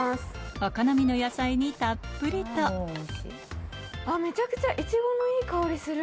お好みの野菜にたっぷりとめちゃくちゃいちごのいい香りする！